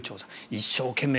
一生懸命